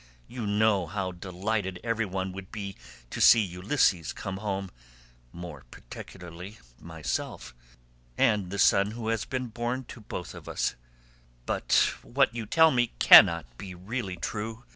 You know how delighted every one would be to see Ulysses come home—more particularly myself, and the son who has been born to both of us; but what you tell me cannot be really true.